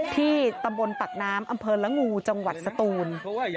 ที่ตำบลปากน้ำอำเภอละงูจังหวัดสตูน